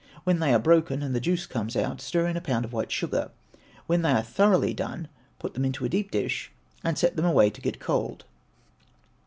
When they are broken and the juice comes out, stir in a pound of white sugar. When they are thoroughly done, put them into a deep dish, and set them away to get cold.